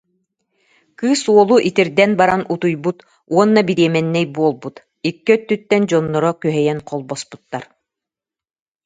Кыыс уолу итирдэн баран утуйбут уонна бириэмэннэй буолбут, икки өттүттэн дьонноро күһэйэн холбоспуттар